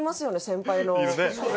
先輩の。